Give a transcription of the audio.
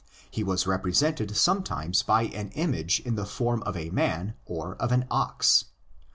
He was represented some times by an image in the form of a man or of an ox.